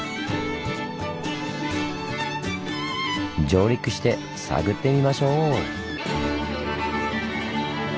上陸して探ってみましょう！